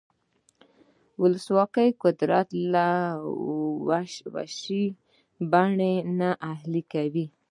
ولسواکي قدرت له وحشي بڼې اهلي کوي.